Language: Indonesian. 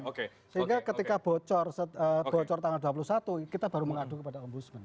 sehingga ketika bocor tanggal dua puluh satu kita baru mengadu kepada ombudsman